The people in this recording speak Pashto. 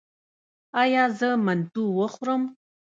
ایا زه منتو وخورم؟